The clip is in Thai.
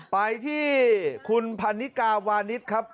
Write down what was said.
ไปที่คุณพันนิกาวานิสครับ